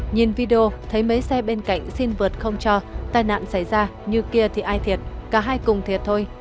nhìn video thấy mấy xe bên cạnh xin vượt không cho tai nạn xảy ra như kia thì ai thiệt cả hai cùng thiệt thôi